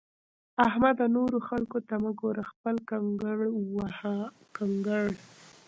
احمده! نورو خلګو ته مه ګوره؛ خپل کنګړ وهه کنکړ!